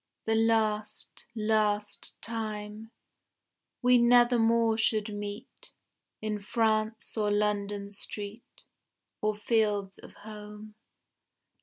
The last, last time. We nevermore should meet In France or London street, Or fields of home.